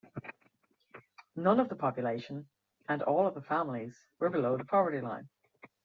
None of the population and all of the families were below the poverty line.